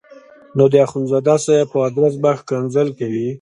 نو د اخندزاده صاحب په ادرس به ښکنځل کوي.